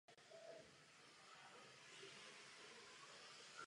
Mimo Norsko působil v Anglii a Turecku.